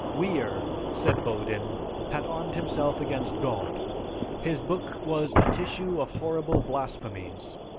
"Wier," said Bodin, "had armed himself against God. His book was a tissue of 'horrible blasphemies.'